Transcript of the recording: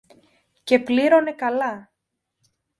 Και πλήρωνε καλά.